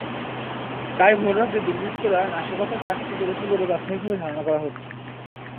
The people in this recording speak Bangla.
তাই ভোররাতে দুর্বৃত্তরা নাশকতার কাজটি করেছে বলে প্রাথমিকভাবে ধারণা করা হচ্ছে।